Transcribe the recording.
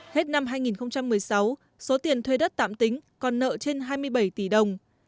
hết năm hai nghìn một mươi sáu số tiền thuê đất tạm tính còn nợ trên hai mươi bảy tỷ đồng